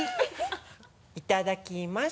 いただきます！